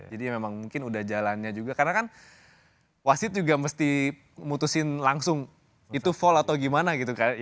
jadi memang mungkin udah jalannya juga karena kan wasit juga mesti mutusin langsung itu fall atau gimana gitu